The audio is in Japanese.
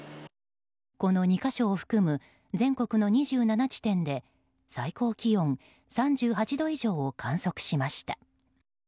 この２か所を含む全国の２７地点で最高気温３８度以上を観測しました。